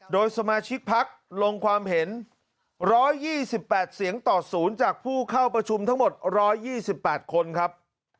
โดยสมาชิกพักลงความเห็น๑๒๘เสียงต่อ๐จากผู้เข้าประชุมทั้งหมด๑๒๘คนครับ